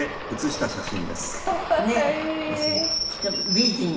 美人。